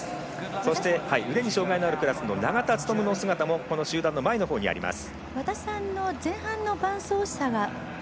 そして、腕に障がいのあるクラスで永田務の姿もこの集団の前のほうにあります。